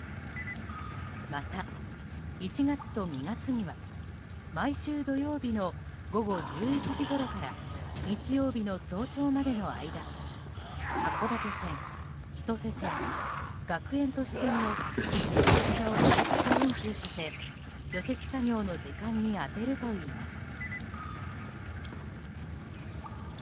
また、１月と２月には毎週土曜日の午後１１時ごろから日曜日の早朝までの間函館線、千歳線、学園都市線の一部列車を計画運休させ除雪作業の時間に充てるといいます。